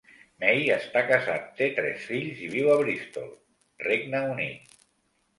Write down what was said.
May està casat, té tres fills i viu a Bristol, Regne Unit.